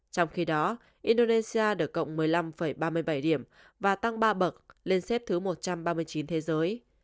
trong khi đó indonesia được cộng một mươi năm ba mươi bảy điểm và tăng ba bậc lên xếp thứ một trăm ba mươi chín thế giới